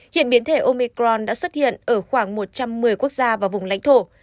hiện biến thể omicron đã xuất hiện ở khoảng một trăm một mươi quốc gia và vùng lãnh thổ